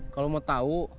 kalau mau tau